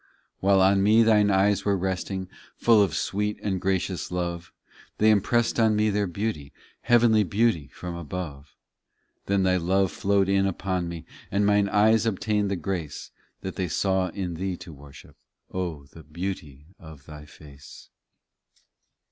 32 While on me Thine eyes were resting, Full of sweet and gracious love, They impressed on me their beauty ; Heavenly beauty from above. 262 POEMS Then Thy love flowed in upon me And mine eyes obtained the grace What they saw in Thee to worship, O the beauty of Thy face.